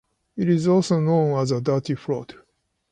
It is also known as a dirty float.